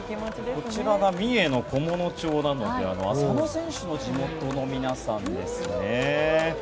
こちらが三重県菰野町浅野選手の地元の皆さんですね。